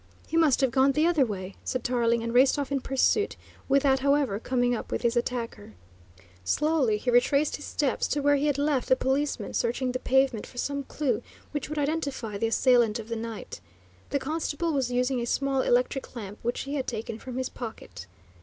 "He must have gone the other way," said Tarling, and raced off in pursuit, without, however, coming up with his attacker. Slowly he retraced his footsteps to where he had left the policeman searching the pavement for same clue which would identify the assailant of the night. The constable was using a small electric lamp which he had taken from his pocket.